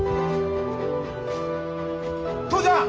父ちゃん！